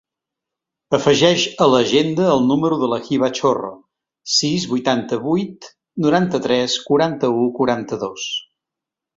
Afegeix a l'agenda el número de la Hiba Chorro: sis, vuitanta-vuit, noranta-tres, quaranta-u, quaranta-dos.